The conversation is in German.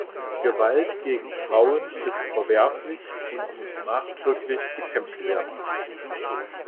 Gewalt gegen Frauen ist verwerflich und muss nachdrücklich bekämpft werden.